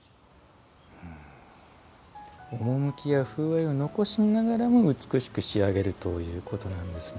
趣や風合いを残しながらも美しく仕上げるということなんですね。